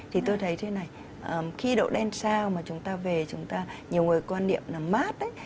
thì tôi thấy thế này khi đậu đen sao mà chúng ta về nhiều người quan điểm là mát ấy